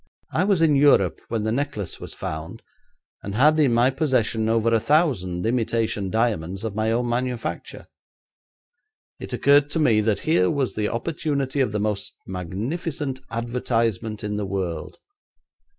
I was in Europe when the necklace was found, and had in my possession over a thousand imitation diamonds of my own manufacture. It occurred to me that here was the opportunity of the most magnificent advertisement in the world.